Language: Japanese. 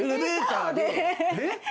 えっ？